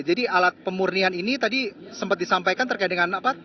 jadi alat pemurnian ini tadi sempat disampaikan terkait dengan apa